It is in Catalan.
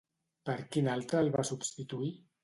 Per quin altre el va substituir?